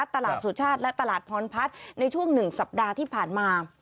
สุชาติและตลาดพรพัฒน์ในช่วง๑สัปดาห์ที่ผ่านมา